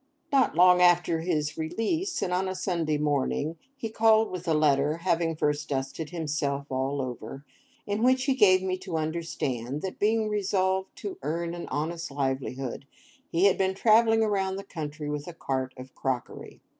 Not long after his release, and on a Sunday morning, he called with a letter (having first dusted himself all over), in which he gave me to understand that, being resolved to earn an honest livelihood, he had been travelling about the country with a cart of crockery.